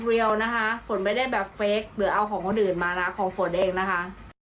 เรียวนะคะฝนไม่ได้แบบเฟคหรือเอาของคนอื่นมานะของฝนเองนะคะ